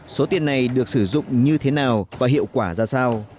số tiền này được sử dụng như thế nào và hiệu quả ra sao